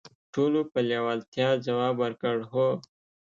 ټولو په لیوالتیا ځواب ورکړ: "هو".